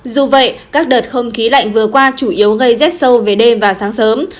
dù vậy các đợt không khí lạnh vừa qua chủ yếu gây rét sâu về đêm và sáng sớm